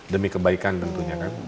demi kebaikan tentunya kan